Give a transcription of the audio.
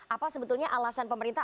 apa sebetulnya alasan pemerintah